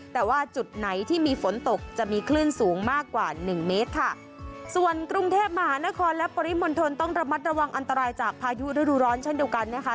แต่ว่าจุดไหนที่มีฝนตกจะมีคลื่นสูงมากกว่าหนึ่งเมตรค่ะส่วนกรุงเทพมหานครและปริมณฑลต้องระมัดระวังอันตรายจากพายุฤดูร้อนเช่นเดียวกันนะคะ